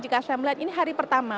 ini hari pertama